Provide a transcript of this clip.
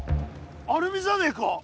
アルミじゃねえか？